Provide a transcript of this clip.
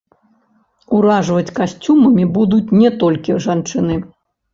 Уражваць касцюмамі будуць не толькі жанчыны.